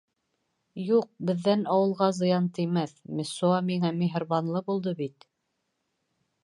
Юҡ, беҙҙән ауылға зыян теймәҫ, Мессуа миңә миһырбанлы булды бит.